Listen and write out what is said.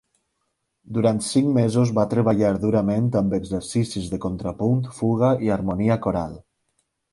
Durant cinc mesos va treballar durament amb exercicis de contrapunt, fuga i harmonia coral.